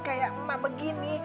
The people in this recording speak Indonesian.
kayak emak begini